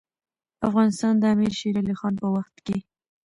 افغانستان د امیر شیرعلي خان په وخت کې.